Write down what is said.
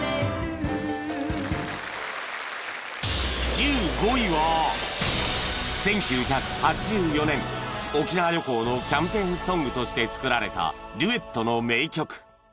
１５位は１９８４年沖縄旅行のキャンペーンソングとして作られたデュエットの名曲